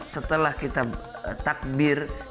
setelah kita takbir